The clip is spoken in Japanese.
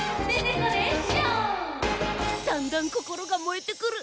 だんだんこころがもえてくる。